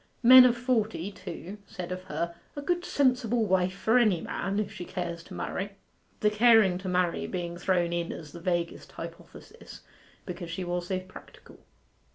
Men of forty, too, said of her, 'a good sensible wife for any man, if she cares to marry,' the caring to marry being thrown in as the vaguest hypothesis, because she was so practical.